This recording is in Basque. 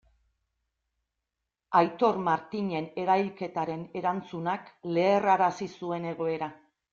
Aitor Martinen erailketaren erantzunak leherrarazi zuen egoera.